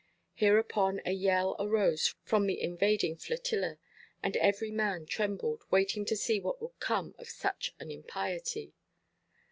Hereupon a yell arose from the invading flotilla, and every man trembled, waiting to see what would come of such an impiety.